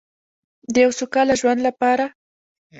د یو سوکاله ژوند لپاره.